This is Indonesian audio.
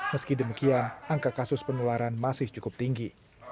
meski demikian angka kasus penularan masih cukup tinggi